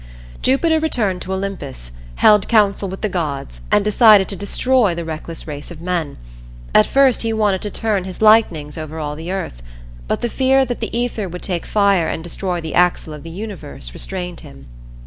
Jupiter returned to Olympus, held counsel with the gods and decided to destroy the reckless race of men. At first he wanted to turn his lightnings over all the earth, but the fear that the ether would take fire and destroy the axle of the universe restrained him.